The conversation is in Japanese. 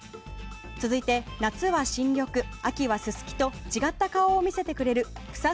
続いて、夏は新緑、秋はススキと違った顔を見せてくれる草